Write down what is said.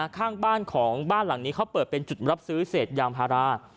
ข้างบ้านของบ้านหลังนี้เขาเปิดเป็นจุดรับซื้อเศษยางพารา